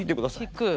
引く。